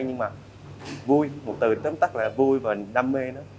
nhưng mà vui một từ tấm tắc là vui và đam mê nữa